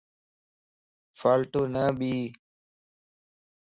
فالٽو نه ٻي